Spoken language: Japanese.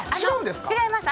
違います。